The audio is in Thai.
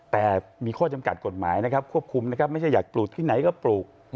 แต่มีข้อจำกัดกฎหมายนะครับควบคุมนะครับไม่ใช่อยากปลูกที่ไหนก็ปลูก